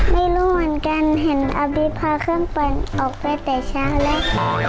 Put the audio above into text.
ไม่รู้เหมือนกันเห็นอาบิตพาเครื่องปั่นออกไปแต่เช้าแล้ว